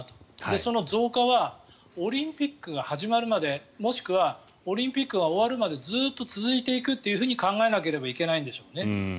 その増加はオリンピックが始まるまでもしくはオリンピックが終わるまでずっと続いていくというふうに考えなければいけないんでしょうね。